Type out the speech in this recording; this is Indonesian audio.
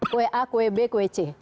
kueh a kueh b kueh c